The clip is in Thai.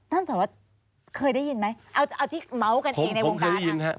สารวัตรเคยได้ยินไหมเอาที่เมาส์กันเองในวงการ